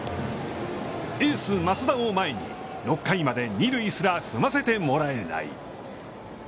エース増田を前に６回まで二塁すら踏ませてもらえない。